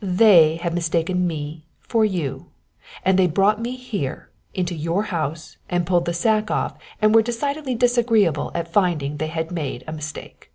They had mistaken me for you; and they brought me here, into your house, and pulled the sack off and were decidedly disagreeable at finding they had made a mistake.